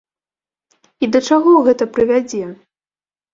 І да чаго гэта прывядзе?